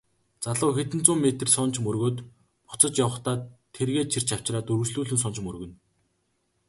Залуу хэдэн зуун метр сунаж мөргөөд буцаж яван тэргээ чирч авчраад үргэлжлүүлэн сунаж мөргөнө.